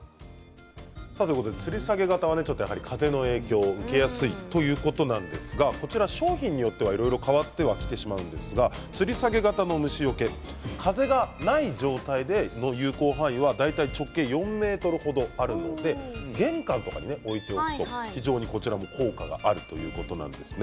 つり下げ型は、やはり風の影響を受けやすいということなんですが商品によってはいろいろ変わってはきてしまうんですがつり下げ型の虫よけ風がない状態での有効範囲は大体直径４ｍ程あるので玄関などに置いておくと非常に、こちらも効果があるということなんですね。